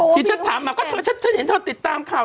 ที่ฉันถามมาก็ฉันเห็นเธอติดตามข่าว